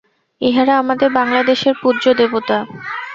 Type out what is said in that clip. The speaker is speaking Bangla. ইঁহারা আমাদের বাংলাদেশের পূজ্য দেবতা।